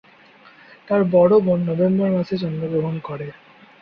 তার বড় বোন নভেম্বর মাসে জন্মগ্রহণ করে।